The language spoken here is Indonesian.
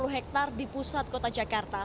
tujuh ratus lima puluh hektare di pusat kota jakarta